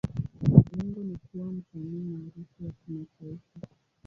Lengo ni kuwa msanii maarufu wa kimataifa.